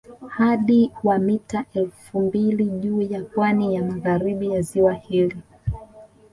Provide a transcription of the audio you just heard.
Hadi wa mita elfu mbili juu ya pwani ya magharibi ya ziwa hili